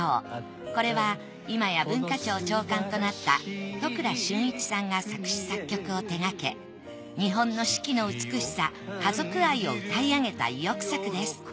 これは今や文化庁長官となった都倉俊一さんが作詞・作曲を手がけ日本の四季の美しさ家族愛を歌い上げた意欲作です。